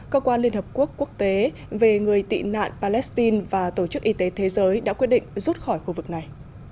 cơ quan liên hợp quốc quốc tế về người tị nạn palestine và tổ chức y tế thế giới đã quyết định rút khỏi khu vực này